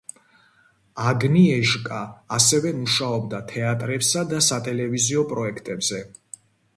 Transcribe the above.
აგნიეჟკა ასევე მუშაობდა თეატრებსა და სატელევიზიო პროექტებზე.